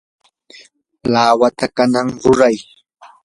lawata kanan ruray.